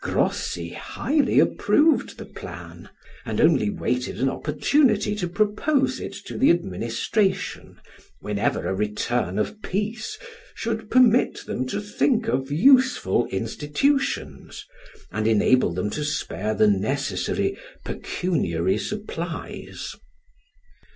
Grossi highly approved the plan, and only waited an opportunity to propose it to the administration, whenever a return of peace should permit them to think of useful institutions, and enable them to spare the necessary pecuniary supplies.